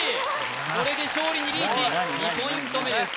これで勝利にリーチ２ポイント目です